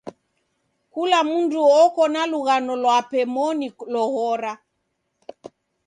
Kila mndu oko na lughano lwape moni loghora.